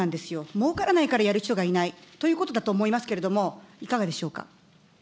もうからないから、やる人がいないということだと思いますけれども、いかがでしょう